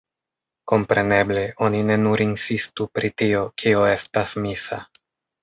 Kompreneble, oni ne nur insistu pri tio, kio estas misa.